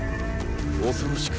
恐ろしく